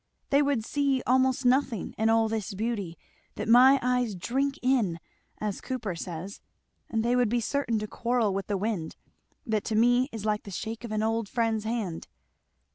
They would see almost nothing in all this beauty that my eyes 'drink in,' as Cowper says; and they would be certain to quarrel with the wind, that to me is like the shake of an old friend's hand.